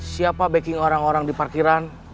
siapa backing orang orang di parkiran